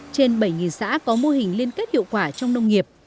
trên bảy xã có mô hình liên kết hiệu quả trong nông nghiệp